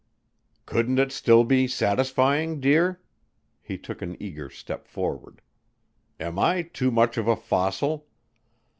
"Couldn't it still be satisfying, dear?" He took an eager step forward. "Am I too much of a fossil?"